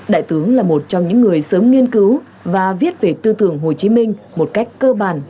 đại tướng là một trong những người sớm nghiên cứu và viết về tư tưởng hồ chí minh một cách cơ bản